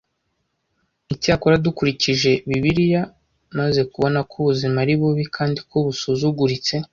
Icyakora dukurikije Bibiliya maze kubona ko ubuzima ari bubi kandi ko busuzuguritse